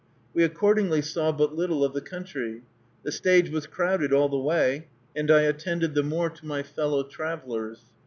We accordingly saw but little of the country. The stage was crowded all the way, and I attended the more to my fellow travelers.